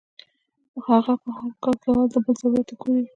هغه پۀ هر کار کې اول د بل ضرورت ته ګوري -